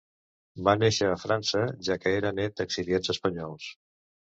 Va néixer a França, ja que era nét d'exiliats espanyols.